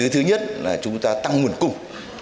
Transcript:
thứ nhất là chúng ta tăng nguồn cung